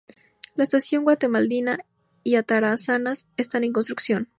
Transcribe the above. La Estación Guadalmedina y Atarazanas están en construcción.